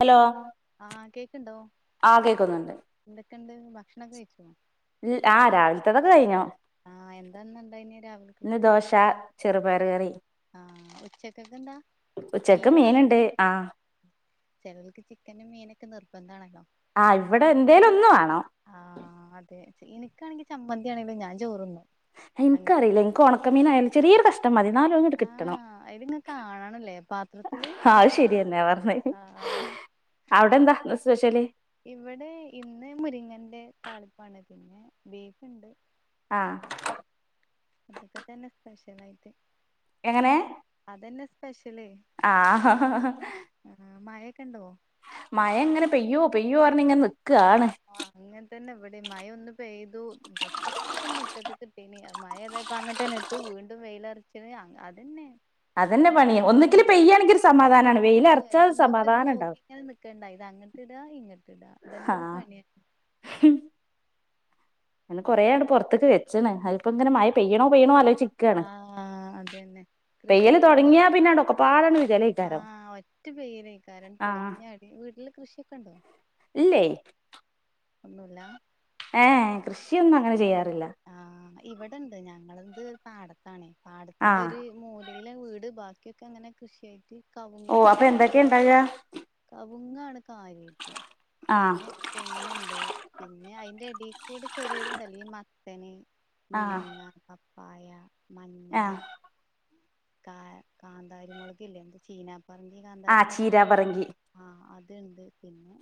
Hello ആഹ് കേക്ക്ണ്ടോ ആ കേക്കുന്നുണ്ട് എന്തൊക്കെണ്ട് ഭക്ഷണൊക്കെ കഴിച്ചോ ഇൽ ആഹ് രാവില്ത്തതൊക്കെ കഴിഞ്ഞു ആഹ് എന്താ ഇന്ന് ഇണ്ടായിന്യേ രാവില്കക്ക് ശാ ചെറ്പയർ കറി ആഹ് ഉച്ചക്കക്കെന്താ ഉച്ചക്ക് മീനോ മീനുണ്ട് ചിക്കനോ ആ ചെലൊല്ക്ക് ചിക്കനും മീനൊക്കെ നിർബന്ധാണല്ലോ ആഹ് ഇവിടെ എന്തേലൊന്ന് വാണം ആഹ് അതെ ഇൻക്കാണെങ്കി ചമ്മന്തിയാണേലും ഞാൻ ചോറ്ന്നും അങ്ങനെ ഇൻക്കറീല ഇന്ക്ക് ഒണക്കമീനായാലും ചെറിയൊരു കഷ്ണം മതി ഇന്നാലും അത്ങ്ങെട്ട് കിട്ടണം അയില്ങ്ങനെ കാണണംലേ പാത്രത്തില് ആ അത് ആഹ് അവിടെന്താ ഇന്ന് സ്പെഷ്യല് ഇവിടെ ഇന്ന് മുരിങ്ങന്റെ താളിപ്പാണ് പിന്നെ ബീഫ്ണ്ട് ആഹ് ഇതൊക്കെ തന്നെ സ്പെഷലായിട്ട് എങ്ങനെ അതന്നെ സ്പെഷ്യല് ആഹ് ആഹ് മഴക്കെണ്ടോ മയ ഇങ്ങനെ പെയ്യോ പെയ്യോറ്ഞ്ഞ് ഇങ്ങനെ നിക്കാണ് ആഹ് അങ്ങൻ തന്നെ ഇവിടേം മഴ ഒന്ന് പെയ്തു ഡ്രസ്സോ ഇപ്പം മുറ്റത്ത്കിട്ടീനി മഴ എയ്തപ്പ അങ്ങട്ടന്നെട്ടു വീണ്ടും വെയിലരച്ചി അതന്നെ അതന്നെ പണി ഒന്നങ്കിൽ ആഹ് പെയ്യണങ്കിൽ ഒരു സമാധാനം അതെ വെയിലറച്ചാ ഒരു നമ്മുക്കിത് ഉണ്ടാവും നോക്കി ഇങ്ങനെ നിക്കണ്ടായി ഇത് അങ്ങട്ട് ഇടാ ഇങ്ങിട്ട് ഇടാ ഇതെന്നെ ഒരു പണിയ ഹ ഇനി കുറെയാണ്ട് പൊർത്ത്ക്ക് വെച്ച്ണ് അതിപ്പോ ഇങ്ങന മയ പെയ്യണോ പെയ്യണോ ആലോചി ക്കാണ് ആഹ് അതന്നെ പെയ്യല് കൃഷിയൊക്കെ ഉണ്ടോ തൊടങ്ങിയാ പിന്നെടൊക്കെ പാടാണ് വികലേക്കാരം റ്റ് പെയ്യലേക്കാരം പൊളിഞ്ഞടി വീട്ടില് കൃഷിയൊക്കെ ഉണ്ടോ ഇല്ലേ ഒന്നുല്ല ഏഹ് കൃഷിയൊന്നും അങ്ങനെ ചെയ്യാറില്ല ആഹ് ഇവിടെണ്ട് ഞങ്ങളെന്ത് പാടത്താണെ പാടത്തിന്റെ ആഹ് ഒരു മൂ ഇടയില വീട് ബാക്കിയൊക്കെ അങ്ങനെ കൃഷിയായിട്ട് കവ്ങ്ങ് തെങ്ങ് വാഴ കവുങ്ങാണ് കാര്യായ്ട്ട് ആഹ് പിന്നെ തെങ്ങുണ്ട് പിന്നെ അയിന്റെടേക്കൂടെ ചെറിയതുണ്ട് അല്ലീ മത്തന് ആഹ് മുരിങ്ങ പപ്പായ മഞ്ഞള് ആഹ് കാ കാന്താരി മൊളകില്ലേ എന്താ ചീന പറങ്കികാ ആഹ് ചീരാ പറങ്കി ആഹ് അത്ണ്ട് പിന്നെ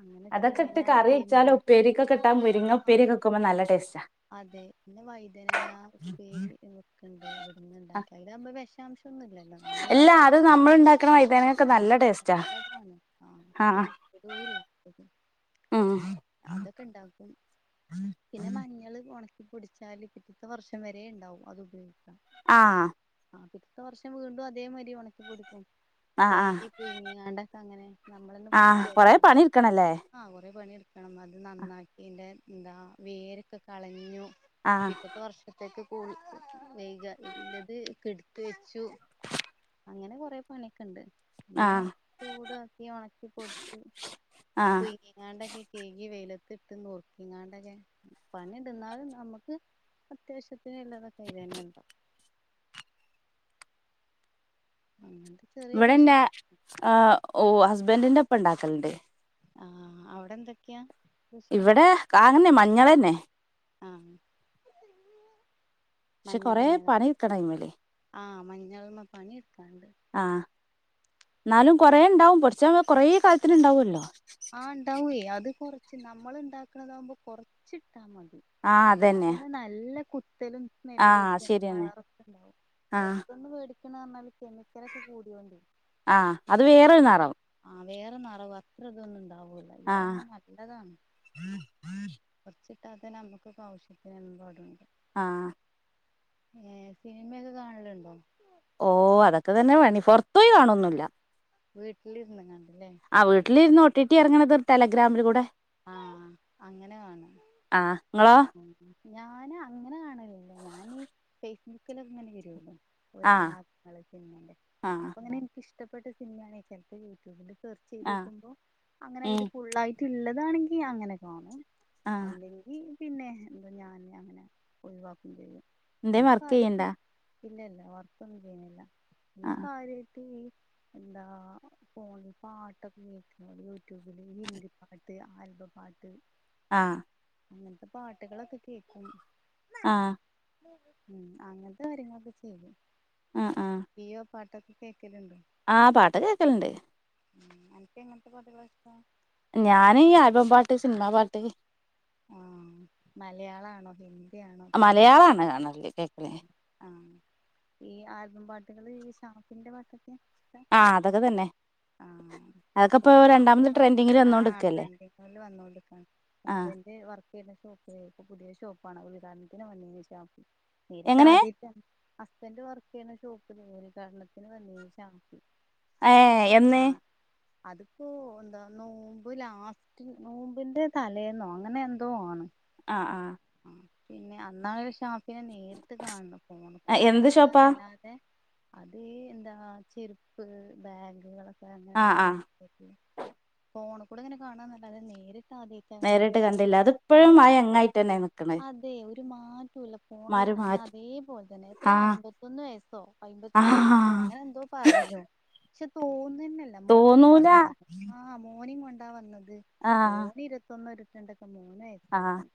അങ്ങനെ അതൊക്കെ ചേന ഇട്ട് കറി ചേമ്പ് വെച്ചാലും ഉപ്പേരിക്കൊക്കെട്ടാ മുരിങ്ങ ആഹ് ഉപ്പേരിക്കെക്കുമ്പോ നല്ല ടേസ്റ്റാ അതെ പിന്നെ വൈതനങ്ങ ഉപ്പേരി നക്കണ്ട് ഇവിടുന്ന് ആഹ് ഇണ്ടാക്കി അയിലവുമ്പോ വെഷാംശം ഒന്നുല്ലല്ലോ നമ്മളെ പിച്ചി ക്കന വൈതനൊക്കെ നല്ല ടേസ്റ്റാ ആഹ് വിടൂല്ല ഉം അതൊക്കെ ഇണ്ടാക്കും പിന്നെ മ ഞ്ഞള് ഉണക്കിപ്പൊടിച്ചാല് പിറ്റത്തെ വർഷം വരെ ഉണ്ടാവും അത് ഉപയോഗിക്കാം ആഹ് ആഹ് പിറ്റേത്ത വർഷം വീണ്ടും അതേ മരി ഒണക്കി പിടിക്കും ആഹ് ആഹ് കഴുകി പുഴുങ്ങിങ്ങാണ്ടൊക്കെ അങ്ങനെ നമ്മളന്ന് ആഹ് കൊറേ വൃത്തിയാക്കാണ് പണി ഇട്ക്കണല്ലേ ആഹ് കൊറേ പണി എടുക്കണം അത് നന്നാക്കിന്റെ എന്താ വേരൊക്കെ കളഞ്ഞു ആഹ് പിറ്റത്തെ വർഷത്തേക്ക് കൂ വൈക ഇല്ലത് കെടുത്ത് വെച്ചു അങ്ങനെ കൊറെ പണിയക്കെ ഉണ്ട് പിന്നെ ആഹ് ചൂടാക്കി ഉണക്കി പൊടിച്ച് ആഹ് പുയിങ്ങാണ്ടൊക്കെ കഴുകി വെയിലത്തി ഇട്ട് നുറുക്കിങ്ങാണ്ടൊക്കെ പണിണ്ട് എന്നാലും നമുക്ക് അത്യാവശ്യത്തിന് ഇല്ലതൊക്കെ അയിൽന്നെ ഉണ്ടാവും അങ്ങെന്ത്‌ ഇവിടെ എന്റെ ആ ഓ ഹസ്ബൻറിന്റെ ഇപ്പൊണ്ടാക്കല്ണ്ട് ആഹ് അവിടെ എന്തൊക്കെയാ കൃഷിണ്ടാ ഇവിടെ കാങ്ങനെ മഞ്ഞളന്നെ ആഹ് പക്ഷെ കൊറേ മഞ്ഞളന്നെ പണി എടുക്കണം അയ്മല് ആ മഞ്ഞളുമ്മ പണി എടുക്കാണ്ട് ആഹ് എന്നാലും കൊറേ ഉണ്ടാവും പൊടിച്ച കൊറേ കാലത്തിന് ഉണ്ടാവുല്ലോ ആ ഉണ്ടാവേ അത് കൊറച്ച് നമ്മൾ ഉണ്ടാക്കണതാവുമ്പോ കൊറച്ചിട്ടാ മതി അതന്നെ നല്ല കുത്തലും ആഹ് സ്മെല്ലൊക്കെ ഉണ്ട് ശരിയന്നെ കളറൊക്കെ ഉണ്ടാവും ആഹ് പുറത്തുന്ന് മേടിക്കന്ന് പറഞ്ഞാല് കെമിക്കലക്കെ കൂടിയൊണ്ട് ആഹ് അത് വേറൊരു അഹ് നിറം ആഹ് നറവാ ഇത്രതൊന്നും ഇണ്ടാവൂലല്ലോ ആഹ് ഇതാവുമ്പോ നല്ലതാണ് കൊറച്ചിട്ടാതന്നെ നമ്മുക്ക്ഇപ്പ ആവശ്യത്തിനു [unintelligible] ആഹ് ഏഹ് സിനിമയൊക്കെ കാണല്ണ്ടോ ഓഹ് അതൊക്കെ തന്നെ പണി പൊറ ആഹ് ആഹ് വീട്ടിലിരുന്നങ്ങാണ്ട് ല്ലേ ആഹ് വീട്ടിലിരുന്ന് ഒട്ടിട്ടി എറങ്ങണത് ടെലഗ്രാമില് കൂടെ ആഹ് അങ്ങനെ കാണും ആഹ് ഇങ്ങളോ ഞാന് അങ്ങനെ കാണലില്ല ഞാന് ഫേസ്ബുക്കിൽങ്ങനെ വരുല്ലോ ഒരു ആഹ് ഭാഗങ്ങള് സിനിമന്റെ ആഹ് അപ്പൊ ഇങ്ങനെ എനിക്ക് ഇഷ്ടപ്പെട്ട സിനിമയാണെ ചെലപ്പോ യൂട്യൂബില് സെർച്ച് ചെയ്ത് ആഹ് നോക്കുമ്പോ അങ്ങനെ അയില് ഉം ഫുള്ളായിട്ട്ള്ളതാണെങ്കി അങ്ങനെ കാണും ആഹ് അല്ലെങ്കി പിന്നെ എന്തോ ഞാന് അങ്ങനെ ഒഴിവാക്കും ചെയ്യും എന്തേം പിന്നെ വർക്ക് കാര്യട്ട് ചെയ്യണ്ടാ ഇല്ല ഇല്ല വർക്കൊന്നുംചെയ്യുന്നില്ല പിന്നെ ആഹ് കാര്യയിട്ട് ഈ എന്താ ഫോണിൽ പാട്ടൊക്കെ കേക്കല് യൂട്യൂബില് ഹിന്ദി പാട്ട് ആൽബം പാട്ട് ആഹ് അങ്ങനത്തെ പാട്ടുകളൊക്കെ കേക്കും ആഹ് ഉം അങ്ങനത്തെ കാര്യങ്ങളൊക്കെ ചെയ്യും ആഹ് ആഹ് [unintelligible] പാട്ടൊക്കെ കേൾക്കലുണ്ടോ ആഹ് പാട്ടൊക്കെ കേക്കലുണ്ട് അനക്ക് എങ്ങനത്തെ പാട്ടുകളാ ഇഷ്ടം ഞാന് ഈ ആൽബം പാട്ട് സിനിമാ പാട്ട് ആഹ് മലയാള ആണോ ഹിന്ദി ആണോ തമിഴാണോ മലയാളാണ് കാണല് കേക്കല് ആഹ് ഈ ആൽബം പാട്ടുകള് ഷാഫിന്റെ പാട്ടൊക്കെ ഇഷ്ടാ ആഹ് അതൊക്കെ തന്നെ അതൊക്കെ ആഹ് ഇപ്പൊ ഷാഫി രണ്ടാമത് [unintelligible] ട്രെൻഡിങ്ങിൽ വന്നോണ്ട് ആഹാ നിക്കല്ലേ ട്രെൻഡിങ്ങില് വന്നുകൊണ്ടിരിക്കാണ് ആ [unintelligible] വർക്ക് വരുന്ന ഷോപ്പ് പുതിയ ഷോപ്പാണ് ഉദ്ഘാടനത്തിന് വന്നിന്നു ഷാഫി നേരിട്ട് എങ്ങനെ ആദ്യ ഹസ്ബൻഡറ് വർക്ക് ചെയ്യാണ് ഷോപ്പ്ൽ ഉദ്ഘാടനത്തിന് വന്നിന്നു ഷാഫി ഏഹ് എന്ന് ആഹ് അതിപ്പോ എന്താ നോമ്പ് ലാസ്റ്റ് നോമ്പിന്റെ തല ലേന്നോ അങ്ങനെ എന്തോആണ് ആഹ് ആഹ് ഉം പിന്നെ അന്നാണ് ഷാ ഫിനെ നേരിട്ട് കാണണം ആ, ഫോണിക്കൂടങ്ങനെ എന്ത് ഷോപ്പാ കാണാന്നല്ലാണ്ടെ അത് ഈ എന്താ ചെരുപ്പ് ആ ആ ബാഗുകളൊക്കെങ്ങനല്ലെ ഫോണി കൂടെ ഇങ്ങനെ കാണാന്നല്ലാതെ നേരിട്ട് ആദ്യ നേരിട്ട് കണ്ടില്ല അതിപ്പഴും ആ യങ്ങായിട്ട് തന്നെയാ നിക്കന്നത് അതേ ഒരു മാറ്റൂല്ല ഫോണില് കാണാൻ മാറ്റി അതേപോലെ തന്നെ എത്ര ആ അൻമ്പപത്തൊന്ന് വയസ്സോ ആ അമ്പത്തിരണ്ട് വയസ്സോ അങ്ങനെ എന്തോ പറഞ്ഞു പക്ഷെ തോന്നന്നല്ല മോനേം തോന്നൂല കൊണ്ടാ വന്നത് ആഹ് മോനേം കൊണ്ടാ വന്നത് ആ മോന് ഇരു ആ [unintelligible]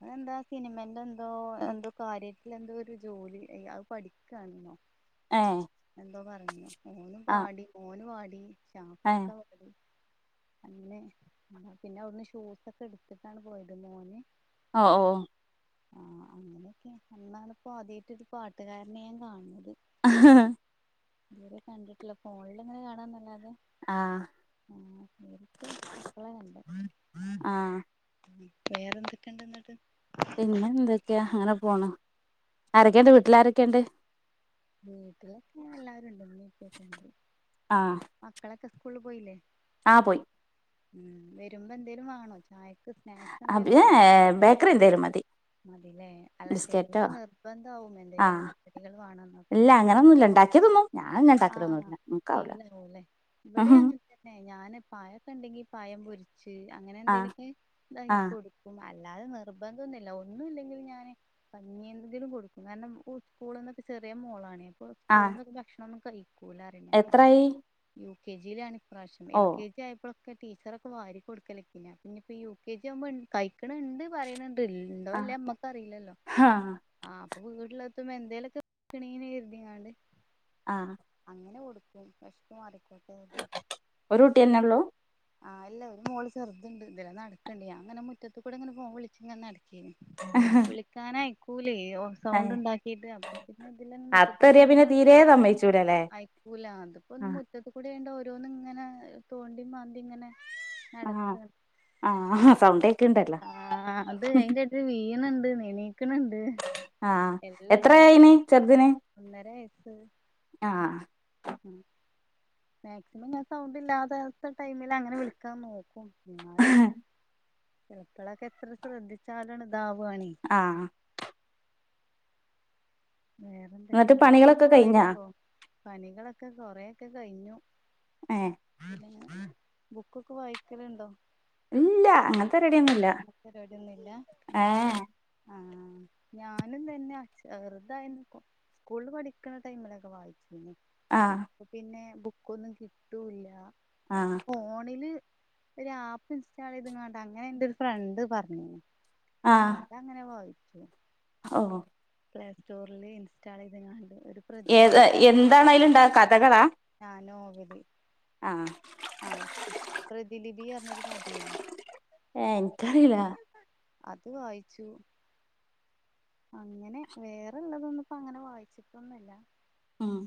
അതെന്താ സിനിമന്റെ എന്തോ എന്തോ കാര്യത്തിൽ എന്തോ ഒരു ജോലി അത് പഠിക്കയാണെന്നോ ഏഹ് എന്തോ പറഞ്ഞു ഓനും പാടി ഓന് ആടി ഏ ഷാഫി അങ്ങനെ എന്നാപിന്നെ അവിടുന്ന് ഷൂസൊക്കെ എടുത്തിട്ടാണ് പോയത് മോന് [unintelligible] ആഹ് അങ്ങനെയൊക്കെ അന്നാണ്പ്പോ ആദ്യമായിട്ടൊരു പാട്ടുകാരനെ ഞാൻ കാണുന്നത് [unintelligible] തീരെ കണ്ടിട്ടില്ല ഫോണിൽ ഇങ്ങനെ കാണാന്നല്ലാതെ ആഹ് നേരത്തെ മക്കള കണ്ട ആ വേറെന്തൊക്കെയുണ്ടന്നിട്ട് പിന്നെ എന്തൊക്കെയാ അങ്ങനെ പോണ് ആരൊക്കെയുണ്ട് വീട്ടില് ആരൊക്കെയുണ്ട് വീട്ടിലൊക്കെ എല്ലാരുണ്ട് ഇമ്മ ഇപ്പൊക്കെ ഉണ്ട് ആഹ് മക്കളൊക്കെ സ്കൂളിൽ പോയില്ലേ ആഹ് പോയി ഉം വരുമ്പോ എന്തേങ്കിലും വാങ്ങണോ ചായക്ക് സ്നാക്സ് [unintelligible] ബേക്കറി എന്തേലും മതി മതീലേ അല്ല ബിസ്ക്കറ്റോ ചിലർക്ക് നിർബന്ധ ആവും ആ എന്തെങ്കിലും എണ്ണക്കടികൾ വേണന്ന് ഇല്ല അങ്ങനൊന്നു ഇല്ല ഉണ്ടാക്കിയ തിന്നും ഞാൻണ്ടാക്കലൊന്നും ഇല്ല ഉം [unintelligible] അല്ലെ ഇവിടെ അങ്ങനെ തന്നെ ഞാൻ പഴക്കൊ ഉണ്ടെങ്കി പഴം പൊരി ച്ച് അങ്ങനെ എന്തെലുമൊക്കെ ഇതാക്കി ആഹ് കൊടുക്കും അല്ലാതെ നിർബന്ധന്നുമില്ല ഒന്നും ഇല്ലെങ്കിൽ ഞാന് കഞ്ഞി എന്തെങ്കിലും കൊടുക്കും കാരണം സ്കൂളന്നൊക്കെ ചെറിയ മോളാണെ [unintelligible] ആഹ് സ്കൂള്ന്നൊക്ക ഭക്ഷണം ഒന്നും കഴിക്കൂല [unintelligible] എത്രായി യു കെ ജിയിലാണ് ഇ പ്രാവശ്യം ഓ എൽ കെ ജി ആയപ്പോള് ടീച്ചറൊക്കെ വാരി കൊടുക്കലക്കെന്ന പിന്നെപ്പ യു കെ ജി ആവുമ്പോ കഴിക്കണിണ്ട് പറയണ് ണ്ട് ഉണ്ടോ ആഹ് ഇല്ലേ നമ്മക്ക് അറിയില്ലല്ലോ ആഹ് ആഹ് അപ്പ വീട്ടിലെത്തുമ്പോ എന്തേലൊക്കെ [unintelligible] കരുതിണാണ്ട് ആഹ് അങ്ങനെ കൊടുക്കും വിശപ്പ് മാറിക്കോട്ടേ ഒരു കുട്ടി തന്നെ ഉള്ളൂ ആഹ് ഇല്ല ഒരു മോള് ചെറുതുണ്ട് ഇതിലെ നടക്കണ്ട് ഞാൻ അങ്ങനെ മുറ്റത്ത് കൂടെ ഇങ്ങനെ ഫോൺ വിളിച്ചിങ്ങെനെ നടക്കയാണ് [unintelligible] [unintelligible] സൗണ്ട് ഏഹ് ഉണ്ടാക്കീട്ട് അപ്പൊ പിന്നെ ഇതിലെ മുറ്റത്ത് കൂടെ അതെറിയ ഇങ്ങനെ പിന്നെ നടക്ക [unintelligible] അയക്കൂല അതിപ്പോ ആഹ് മുറ്റത്ത് കൂടെ ഓരോന്നും ഇങ്ങനെ തോണ്ടി മാന്തി ഇങ്ങനെ ആഹ് നടക്കാണ് ആഹ് സൗണ്ടേ ആഹ് അത് അയിന്റെ [unintelligible] എണീക്കണ് ണ്ട്. ആഹ് എത്രായിന് ചെറുതിന്? ഒന്നര വയസ്സ് ആഹ് ഉം മാക്സിമം ഞാൻ സൗണ്ട് ഇല്ലാത്ത ടൈമിലങ്ങനെ വിളിക്കാൻ നോക്കും എന്നാ പിന്നെ ചെൽപ്പളൊക്കെ എത്ര ശ്രദ്ധിച്ചാലാണ് ഇ ദാവ്വാണി ആഹ് വേറെന്തൊക്കെ എന്നിട്ട് പണികളൊക്കെ ബുക്കൊക്കെ കഴിഞ്ഞാ വായിക്കോ പണികളൊക്കെ കൊറെയൊക്കെ കഴിഞ്ഞു. ഏഹ് പിന്നേ ബുക്കൊക്കെ വായിക്കലുണ്ടോ? ഇല്ല അങ്ങനത്തെ പരിവാടിയൊന്നുല്ല അങ്ങനത്തെ പരിപാടിയൊന്നുമില്ല ഏഹ് ഏഹ് ആഹ് ഞാനും തന്നെ അച്ചാറ് ഇതയി സ്കൂള് പഠിക്ക്ണ ടൈമിലൊക്കെ വായിച്ചിര്ന്നു. ആഹ് പിന്നെ ബുക്കൊന്നും കിട്ടൂല്ല അപ്പൊ ആഹ് ഫോണില് ഒരാപ്പ് ഇൻസ്റ്റാൾ ചെയ്ത്കാണ്ട് അങ്ങനെ എൻറ ഒരു ഫ്രണ്ട് പറഞ്ഞീനു ആ അതങ്ങനെ വായിച്ചു ഓഹ് സ്റ്റോറില് ഇൻസ്റ്റാളെയ്ത്കാണ്ട് ഒരു ഏത് പ്രതിലിപി എന്താണയിലുണ്ടാക കഥകളാ? ആഹ് നോവൽ ആഹ് ആഹ് പ്രതി ലിപീയർഞ്ഞൊരു കഥയ്ന് ഏഹ് എനിക്കറീല്ല അത് വായിച്ചു അങ്ങനെ വേറെള്ളതൊന്നുംപ്പോ അങ്ങനെ വായിച്ചിട്ടൊന്നുംല്ല ആഹ്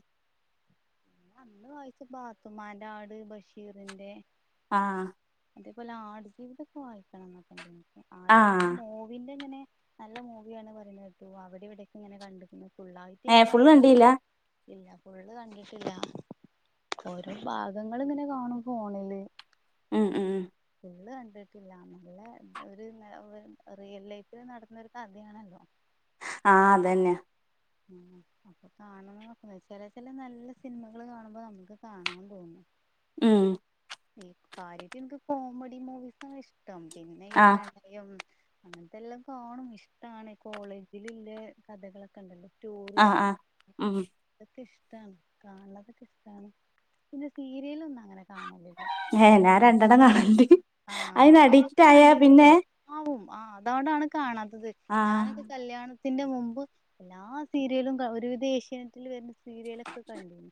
അന്ന് വായിച്ച് പാത്തുമാന്റെ ആട് ബഷീറിന്റെ ആഹ് അതേപോലെ ആടു ജീവിതൊക്കെ വായിക്കണംന്നൊക്കണ്ടയ്ന് പക്ഷെ ആഹ് ആടുജീവിതം മോ പിന്നങ്ങനെ നല്ല മൂവിയാണ് പറിണേട്ടു അവ്ടെ ഇവ്ടെയൊക്കെ ഇങ്ങനെ കണ്ടുക്ണ് ഫുള്ളായിട്ട് ഏ ഞാൻ ഫുള്ള് അതും കണ്ടു കണ്ടീല്ല ഇല്ല ഫുള്ള് കണ്ടിട്ടില്ല ഓരോ ഭാഗങ്ങള്ങ്ങനെ കാണും ഫോണില്. മ്മ് മ്മ് ഫുള് കണ്ടിട്ടില്ല നല്ല ഒരു ഒ റിയൽ ലൈഫിൽ നടന്ന ഒരു കഥയാണല്ലോ ആഹ് അതന്നെ മ്മ് അപ്പൊ കാണണംനൊക്കണ്ട് ചെല ചെല നല്ല സിനിമകള് കാണുമ്പോ നമുക്ക് കാണാൻ തോന്നും. മ്മ് ഈ കാര്യായിട്ട് ഇൻക് ക്ക് കോമഡി മൂവീസാണ് ഇഷ്ട്ടം പിന്നെ ഈ ആഹ് പ്രേ യും അങ്ങൻത്തെല്ലാം കാണും ഇഷ്ട്ടാണ് കോളേജില്ള്ള കഥകളൊക്കെണ്ടല്ലോ. റ്റൂറിയെ, ആഹ് ആഹ് ഉം അതൊക്കെ ഇഷ്ട്ടാണ് കാണുന്നതൊക്കെ ഇഷ്ട്ടാണ് പിന്നെ സീരിയലൊന്നും അങ്ങനെ കാണലില്ല ഏ പിന്ന ഞാൻ രണ്ടെണ്ണം കാണല്ണ്ട് ആഹ് അയിന് അഡിക്റ്റ് ആദ്യം ആയാ പിന്നെ കണ്ടീന്ട്ടോ ആവും ആഹ് അതോണ്ടാണ് കാണാത്തത് ആഹ് ഞാനൊക്കെ കല്യാണത്തിന്റെ മുമ്പ്, എല്ലാ സീരിയലും ക ഒരുവിധം ഏഷ്യാനെറ്റിൽ വരുന്ന സീരിയലൊക്കെ കണ്ടീന്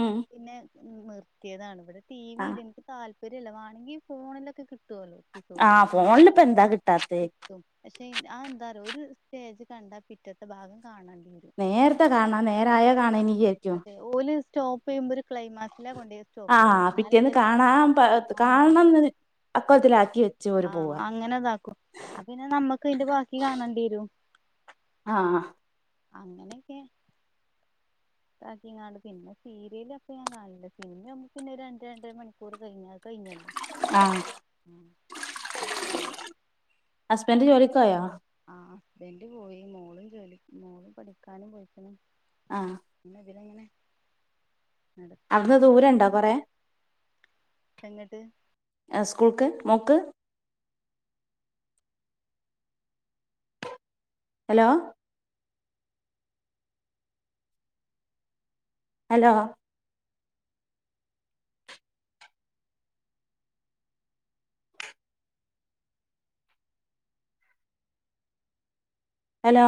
ഉം പിന്നെ, മ്മ് നിർത്തിയതാണ് ഇവിടെ ടി ആഹ് വിയില്ല ഇൻക്ക് താല്പര്യല്ല വാണങ്കി ഫോണിലൊക്കെ കിട്ടോല്ലോ. ആഹ് ഫോണില്പ്പ എന്താ കിട്ടാത്തെ, കിട്ടും പക്ഷെ ആഹ് എന്താറിയോ ഒരു സ്റ്റേജ് കണ്ടാ പിറ്റത്തെ ഭാഗം കാണണ്ടിവരും. നേര്ത്തെ കാണ ആഹ് നേരായേ കാണയ്ന് വിചാരിക്കും അതെ ഓല് സ്റ്റോപ്പ് യ്യുമ്പൊ ഒരു ക്ലൈമാക്സ്ല്ല കൊണ്ടേയ് നിർത്തേ. ആഹ് പിറ്റേന്ന് കാണാൻ പ ആഹ് കാണണംന്ന് അക്കോൽത്തിലാക്കി വെച്ച് ഓല് പോവാ. ങ്ങനെ ഇതാക്കും. അപ്പ പിന്നെ നമ്മക്ക് ഇതിന്റെ ബാക്കി കാണണ്ടിരും. ആഹ്. അങ്ങനെ ഒക്കെ. താക്കിങ്ങാണ്ട് പിന്നെ സീരിയലൊക്കെ ഞാൻ കാണല്ണ്ട്. സിനിമ നമ്മുക്ക് പിന്നെ രണ്ട് രണ്ടര മണിക്കൂർ കഴിഞ്ഞാൽ. കഴ്ഞ്ഞല്ലോ. ആഹ് ഉം. ബേം കഴിഞ്ഞോളും. ഹസ്ബൻഡ് ജോലിക്കോയോ? ആഹ് ഹസ്ബൻഡ് പോയി. മോളും ജോലി മോളും പഠിക്കാനും പോയിക്ക്ണു. ആഹ്. പിന്നെ ഇതിലങ്ങനെ. നടക്കാണ് അവിടുന്ന് ദൂരണ്ടോ കൊറേ. എങ്ങട്ട്? ഏഹ് സ്കൂൾക്ക് മോക്ക്. ഹലോ. ഹലോ. ഹലോ.